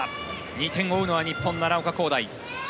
２点を追うのは日本、奈良岡功大。